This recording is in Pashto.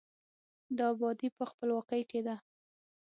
د آبادي په، خپلواکۍ کې ده.